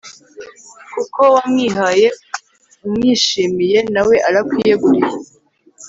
kuko wamwihaye umwishimiye nawe arakwiyeguriye